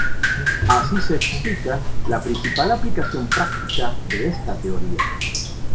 Así se explica la principal aplicación práctica de esta teoría.